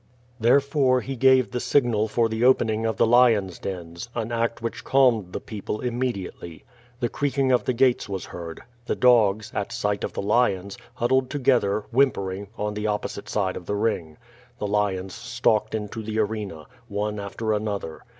Therefore he gave the signal for the opening of the lions' dens, an act which calmed the people immediately. The creaking of the gates was heard. The dog3, at sight of the lions, huddled together, whimpering, on the opposite side of the ring. The lions stalked into the arena, one after an other.